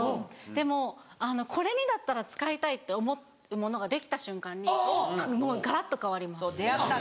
でもこれにだったら使いたいって思うものができた瞬間にもうがらっと変わります。